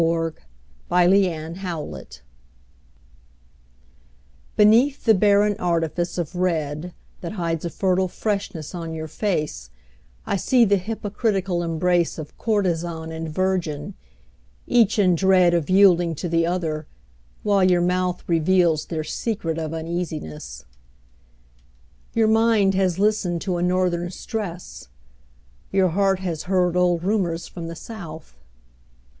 Laurence Binyon < City Girl BENEATH the barren artifice of red That hides a fertile freshness on your face I see the hypocritical embrace Of courtesan and virgin, each in dread Of yielding to the other, while your mouth Reveals their secret of uneasiness. Your mind has listened to a northern stress: Your heart has heard old rumours from the South.